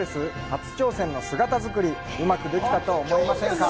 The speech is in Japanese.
初挑戦の姿作り、うまくできたと思いませんか？